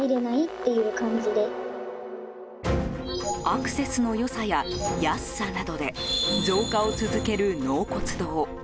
アクセスの良さや安さなどで増加を続ける納骨堂。